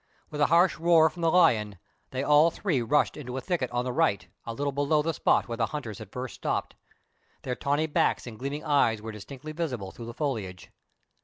With a harsh roar from the lion, they all three rushed into a thicket on the right, a little below the spot where the hunters had first stopped. Their tawny backs and gleaming eyes were distinctly visible through the foliage.